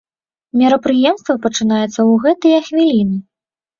Мерапрыемства пачынаецца ў гэтыя хвіліны.